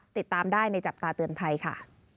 ติดตามได้ในจับตาเตือนภัยค่ะ